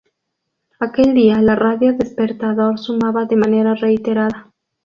Aquel día la radio despertador zumbaba de manera reiterada